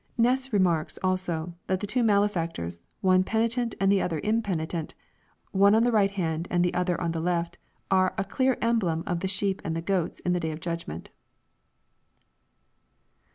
Ness remarks, also, that the two malefactors, one penitent and the other impenitent, one on the right hand and the other on the left, are " a clear emblem of the sheep and goats" in the day of judgment.